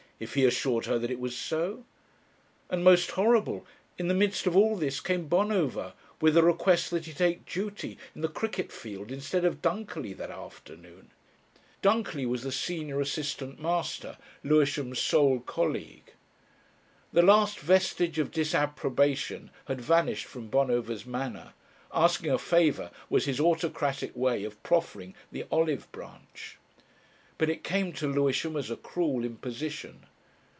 if he assured her that it was so? And, most horrible, in the midst of all this came Bonover with a request that he would take "duty" in the cricket field instead of Dunkerley that afternoon. Dunkerley was the senior assistant master, Lewisham's sole colleague. The last vestige of disapprobation had vanished from Bonover's manner; asking a favour was his autocratic way of proffering the olive branch. But it came to Lewisham as a cruel imposition.